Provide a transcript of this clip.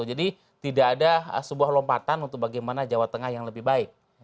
jadi tidak ada sebuah lompatan untuk bagaimana jawa tengah yang lebih baik